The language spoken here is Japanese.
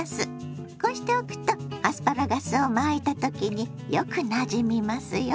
こうしておくとアスパラガスを巻いた時によくなじみますよ。